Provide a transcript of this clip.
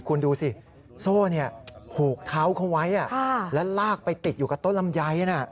คุณดูสิโซ่ผูกเท้าเขาไว้แล้วลากไปติดอยู่กับต้นลำไย